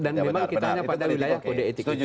dan memang kita hanya pada wilayah kode etik itu